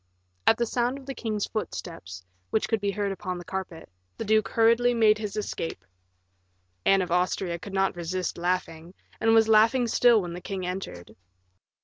At the sound of the king's footsteps, which could be heard upon the carpet, the duke hurriedly made his escape. Anne of Austria could not resist laughing, and was laughing still when the king entered.